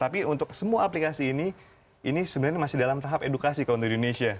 tapi untuk semua aplikasi ini ini sebenarnya masih dalam tahap edukasi kalau untuk di indonesia